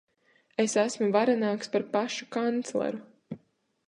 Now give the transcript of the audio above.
Es esmu varenāks par pašu kancleru.